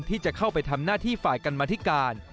ที่จะเข้าไปทำหน้าที่ฝ่ายกรรมธิการ